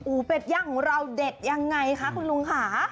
เป็ดย่างของเราเด็ดยังไงคะคุณลุงค่ะ